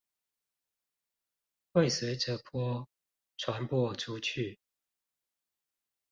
會隨著波傳播出去